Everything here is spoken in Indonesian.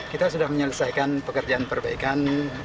kita sudah menyelesaikan pekerjaan perbaikan